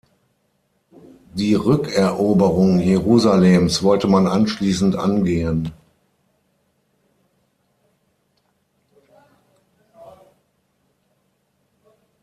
Die Rückeroberung Jerusalems wollte man anschließend angehen.